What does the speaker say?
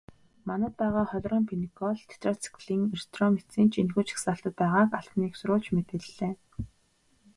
Манайд байгаа хлорамфеникол, тетрациклин, эритромицин ч энэхүү жагсаалтад байгааг албаны эх сурвалж мэдээллээ.